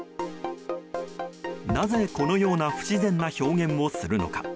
なぜ、このような不自然な表現をするのか。